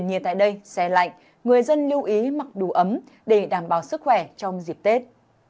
trong ngày đêm nay xe lạnh người dân lưu ý mặc đủ ấm để đảm bảo sức khỏe trong dịp tết